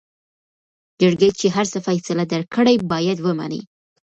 جرګې چې هر څه فيصله درکړې بايد وې منې.